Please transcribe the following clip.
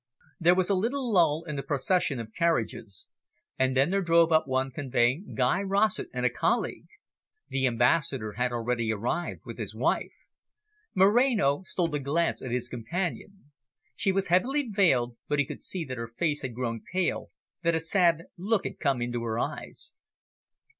There was a little lull in the procession of carriages. And then there drove up one conveying Guy Rossett and a colleague. The Ambassador had already arrived, with his wife. Moreno stole a glance at his companion. She was heavily veiled, but he could see that her face had grown pale, that a sad look had come into her eyes.